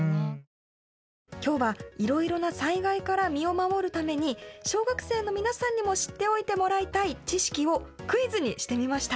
きょうは、いろいろな災害から身を守るために小学生の皆さんにも知っておいてもらいたい知識をクイズにしてみました。